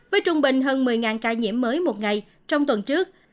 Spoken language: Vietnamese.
với trung bình hơn một mươi ca nhiễm mới một ngày trong tuần trước